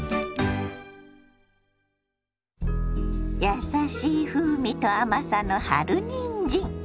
やさしい風味と甘さの春にんじん。